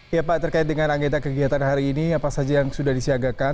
ya pak terkait dengan anggota kegiatan hari ini apa saja yang sudah disiagakan